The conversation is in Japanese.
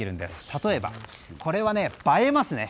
例えば、これは映えますね。